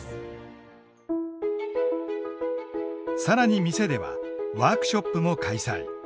更に店ではワークショップも開催。